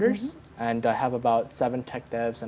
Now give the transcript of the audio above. dan beberapa orang yang bekerja